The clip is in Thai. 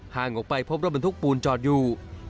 ห่างออกไปพบรถบรรทุกปูนจอดอยู่